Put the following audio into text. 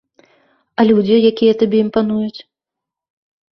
А людзі, якія табе імпануюць?